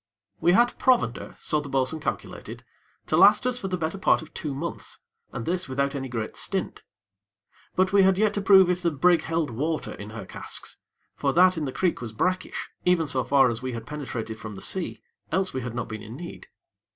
We had provender, so the bo'sun calculated, to last us for the better part of two months, and this without any great stint; but we had yet to prove if the brig held water in her casks, for that in the creek was brackish, even so far as we had penetrated from the sea; else we had not been in need.